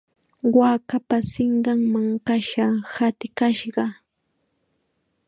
Waakapa sinqanman kasha hatikashqa.